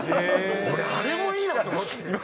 俺、あれもいいなと思って。